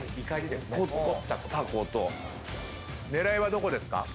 狙いはどこですか？